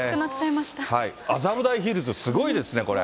麻布台ヒルズ、すごいですね、これ。